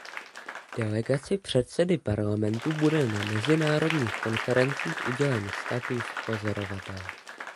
Delegaci předsedy Parlamentu bude na mezinárodních konferencích udělen status pozorovatele.